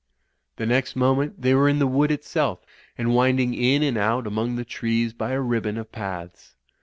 The next moment they were in the wood itself, and winding in and out among the trees by a ribbon of paths.